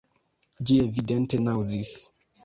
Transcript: Ĝi evidente naŭzis.